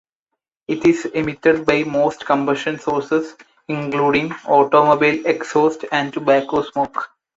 It is emitted by most combustion sources, including automobile exhaust and tobacco smoke.